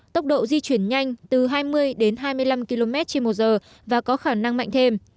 tốc độ di chuyển nhanh từ hai mươi đến hai mươi năm km trên một giờ và có khả năng mạnh thêm